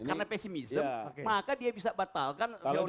karena pesimisem maka dia bisa batalkan feudalisme